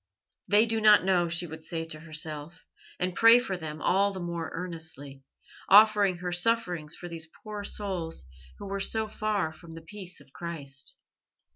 "They do not know," she would say to herself, and pray for them all the more earnestly, offering her sufferings for these poor souls who were so far from the peace of Christ.